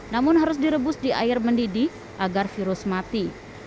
namun harus direbus di air mendidih agar virus mati